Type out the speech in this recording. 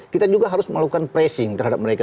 kita juga harus melakukan pressing terhadap mereka